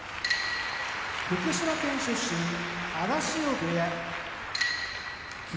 福島県出身荒汐部屋霧